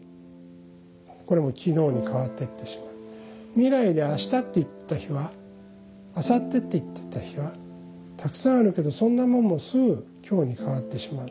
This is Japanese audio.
未来で明日って言ってた日はあさってって言ってた日はたくさんあるけどそんなもんもすぐ今日に変わってしまう。